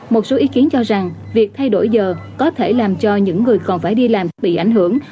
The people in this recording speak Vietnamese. một số ý kiến cho rằng việc thay đổi giờ có thể làm cho những người còn phải đi làm bị ảnh hưởng